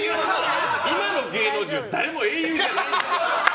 今の芸能人は誰も英雄じゃないんだ。